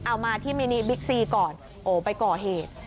เอามาที่มินิบิ๊กซีก่อนโอ้ไปก่อเหตุ